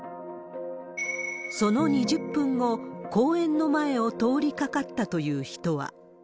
その２０分後、公園の前を通りかかったという人は。